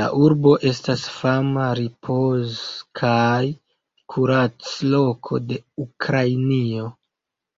La urbo estas fama ripoz- kaj kurac-loko de Ukrainio.